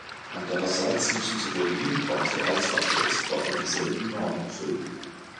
Andererseits müssen sowohl die Importe als auch die Exporte dieselben Normen erfüllen.